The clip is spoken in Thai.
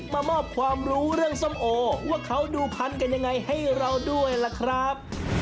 มามอบความรู้เรื่องส้มโอว่าเขาดูพันกันยังไงให้เราด้วยล่ะครับ